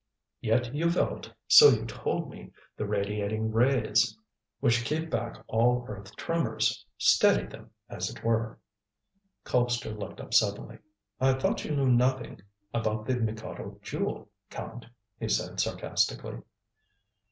"Yet you felt so you told me the radiating rays, which keep back all earth tremors steady them, as it were." Colpster looked up suddenly. "I thought you knew nothing about the Mikado Jewel, Count," he said sarcastically.